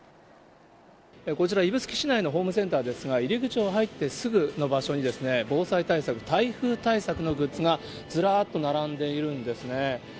こちら、指宿市内のホームセンターですが、入り口を入ってすぐの場所に、防災対策、台風対策のグッズがずらーっと並んでいるんですね。